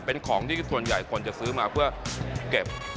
เป็นของที่ส่วนใหญ่คนจะซื้อมาเพื่อเก็บ